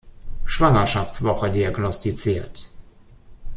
Schwangerschaftswoche diagnostiziert.